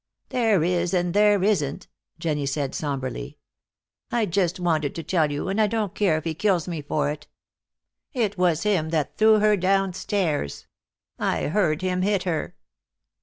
"There is and there isn't," Jennie said, somberly. "I just wanted to tell you, and I don't care if he kills me for it. It was him that threw her downstairs. I heard him hit her."